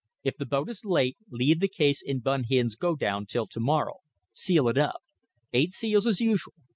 If the boat is late, leave the case in Bun Hin's godown till to morrow. Seal it up. Eight seals as usual.